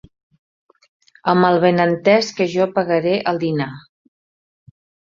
Amb el benentès que jo pagaré el dinar.